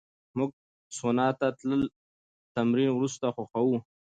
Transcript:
موږ سونا ته تلل د تمرین وروسته خوښوو.